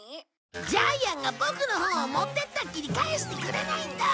ジャイアンがボクの本を持ってったきり返してくれないんだ！